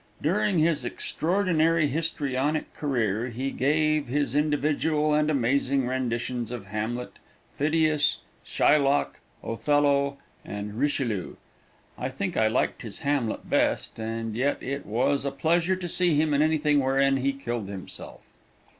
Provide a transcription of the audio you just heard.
During his extraordinary histrionic career he gave his individual and amazing renditions of Hamlet, Phidias, Shylock, Othello, and Richelieu. I think I liked his Hamlet best, and yet it was a pleasure to see him in anything wherein he killed himself.